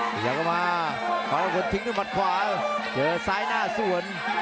พยายามกลับมาขอให้คนทิ้งด้วยมัดขวาเจอซ้ายหน้าส่วน